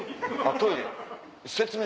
トイレ。